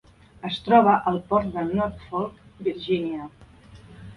Es troba al port de Norfolk, Virgínia.